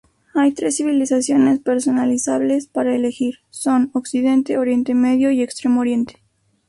Hay tres civilizaciones personalizables para elegir, son: Occidente, Oriente Medio y Extremo Oriente.